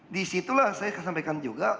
disitulah saya sampaikan juga